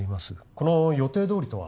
この予定通りとは？